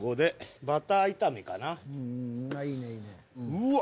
うわ！